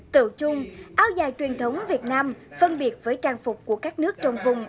tựu chung áo dài truyền thống việt nam phân biệt với trang phục của các nước trong vùng